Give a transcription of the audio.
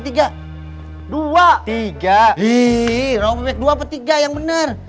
rawa bebek dua apa tiga yang bener